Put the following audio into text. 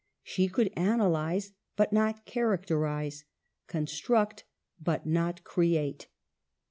She could analyze but not characterize; construct but not create.